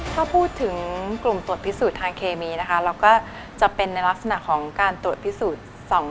ถ้าพูดถึงกลุ่มตรวจพิสูจน์ทางเคมีนะคะเราก็จะเป็นในลักษณะของการตรวจพิสูจน์